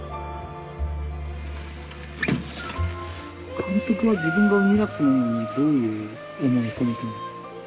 監督は自分が生み出すものにどういう思いを込めてる？